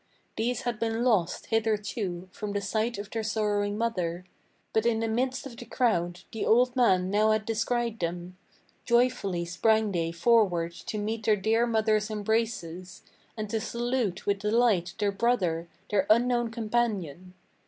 These had been lost, hitherto, from the sight of their sorrowing mother; But in the midst of the crowd the old man now had descried them. Joyfully sprang they forward to meet their dear mother's embraces, And to salute with delight their brother, their unknown companion.